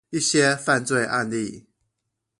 一些犯罪案例